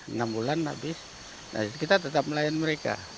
enam bulan habis nah kita tetap melayan mereka